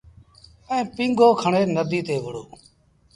ائيٚݩ پيٚنگو کڻي نديٚ تي وُهڙو۔